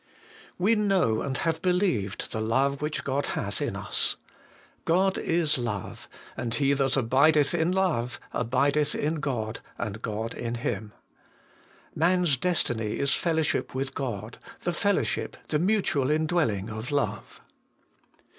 ' We know and have believed the love which God hath in us. God is love : and he that abideth in love abideth in God, and God in Him.' Man's destiny is fellowship with God, the fellowship, the mutual in dwelling of love.